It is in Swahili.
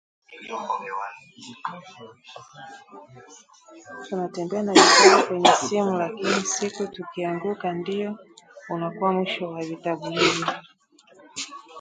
Tunatembea na vitabu kwenye simu lakini siku tukianguka, ndio unakuwa mwisho wa vitabu hivyo